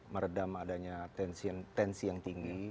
meredam adanya tensi yang tinggi